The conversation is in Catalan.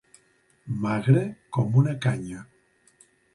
Magre com una canya.